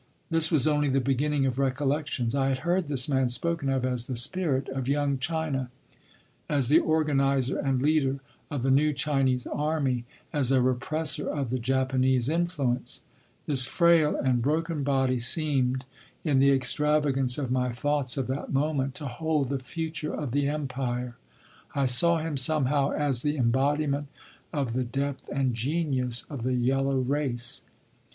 This was only the beginning of recollections. I had heard this man spoken of as the spirit of Young China, as the organiser and leader of the new Chinese army, as a represser of the Japanese influence. This frail and broken body seemed, in the extravagance of my thoughts of that moment, to hold the future of the Empire. I saw him somehow as the embodiment of the depth and genius of the yellow race.